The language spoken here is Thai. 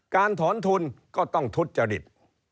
การถอนทุนก็ต้องทุจริต